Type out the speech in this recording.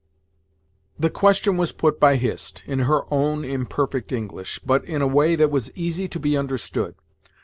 The question was put by Hist, in her own imperfect English, but in a way that was easy to be understood.